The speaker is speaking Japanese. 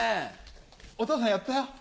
お父さんやったよ。